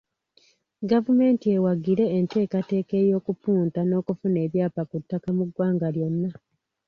Gavumenti ewagire enteekateeka ey’okupunta n’okufuna ebyapa ku ttaka mu ggwanga lyonna.